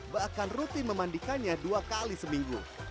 bahkan rutin memandikannya dua kali seminggu